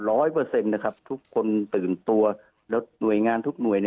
ร้อยเปอร์เซ็นต์นะครับทุกคนตื่นตัวแล้วหน่วยงานทุกหน่วย